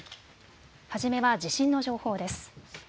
初めは地震の情報です。